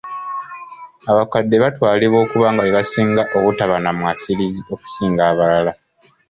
Abakadde batwalibwa okuba nga be basinga obutaba na mwasirizi okusinga abalala.